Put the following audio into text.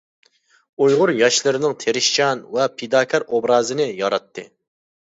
ئۇيغۇر ياشلىرىنىڭ تىرىشچان ۋە پىداكار ئوبرازىنى ياراتتى.